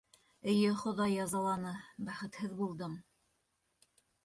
Эйе, Хоҙай язаланы, бәхетһеҙ булдым...